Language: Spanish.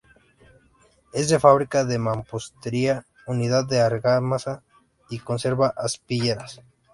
Es de fábrica de mampostería unida con argamasa, y conserva aspilleras.